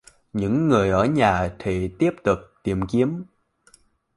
Những người ở nhà thì tiếp tục tìm kiếm